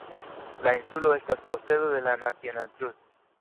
La insulo estas posedo de la National Trust.